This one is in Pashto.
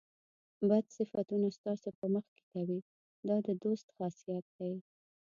بد صفتونه ستاسو په مخ کې کوي دا د دوست خاصیت دی.